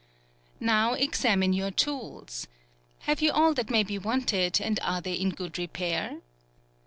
Now examine your tools. Have you all that may be wanted, and are they in good repair.